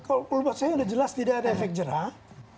kalau buat saya sudah jelas tidak ada efek jerah